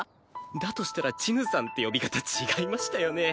だとしたら「ちぬさん」って呼び方違いましたよね？